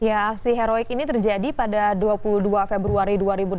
ya aksi heroik ini terjadi pada dua puluh dua februari dua ribu delapan belas